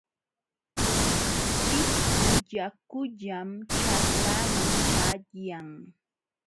Pitku yakullam ćhaklaaman ćhayan.